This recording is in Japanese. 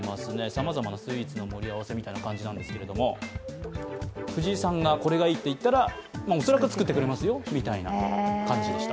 さまざまなスイーツの盛り合わせみたいな感じなんですけれども藤井さんがこれがいいと言ったら、恐らく作ってくれますよみたいな感じでした。